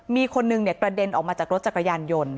มีคนนึงกระเด็นออกมาจากรถจักรยานยนต์